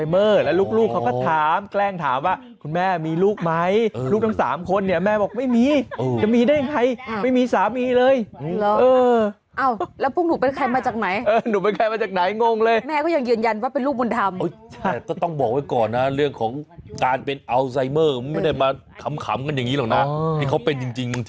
มันรับรับไม่ได้หรอกมันตอแหลเกินไป